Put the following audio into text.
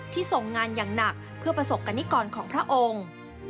ทรงงานอย่างหนักเพื่อประสบกรณิกรของพระองค์